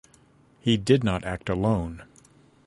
He did not act alone.